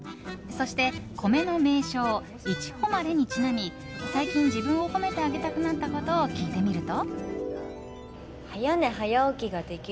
そして、米の名称いちほまれにちなみ最近、自分を褒めてあげたくなったことを聞いてみると。